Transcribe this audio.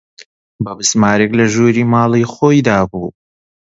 بە بزمارێک لە ژووری ماڵە خۆی دابوو